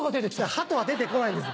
ハトは出て来ないんです。